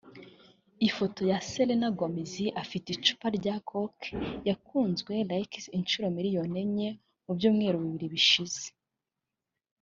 Ifoto ya Selena Gomez afite icupa rya Coke yakunzwe [Likes] inshuro miliyoni enye mu byumweru bibiri bishize